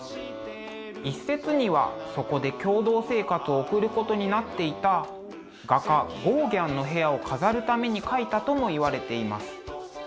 一説にはそこで共同生活を送ることになっていた画家ゴーギャンの部屋を飾るために描いたともいわれています。